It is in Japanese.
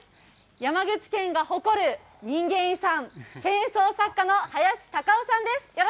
山口県が誇る人間遺産、チェーンソー作家の林隆雄さんです